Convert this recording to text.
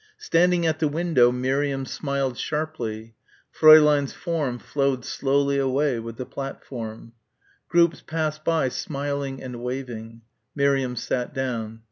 Standing at the window Miriam smiled sharply. Fräulein's form flowed slowly away with the platform. Groups passed by smiling and waving. Miriam sat down.